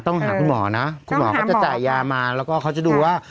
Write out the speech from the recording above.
หาคุณหมอนะคุณหมอก็จะจ่ายยามาแล้วก็เขาจะดูว่า